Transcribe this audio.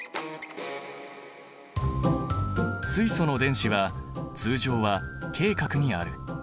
水素の電子は通常はＫ殻にある。